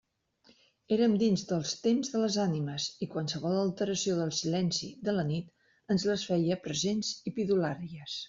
Érem dins del temps de les ànimes, i qualsevol alteració del silenci de la nit ens les feia presents i pidolaries.